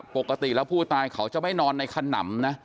ปกติแล้วผู้ตายเขาจะไม่นอนในขนำนะ